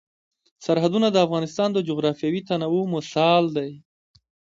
سرحدونه د افغانستان د جغرافیوي تنوع مثال دی.